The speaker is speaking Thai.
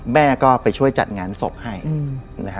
แม่ก็ไปช่วยจัดงานศพให้นะฮะ